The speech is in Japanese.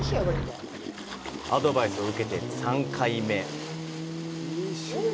アドバイスを受けて３回目。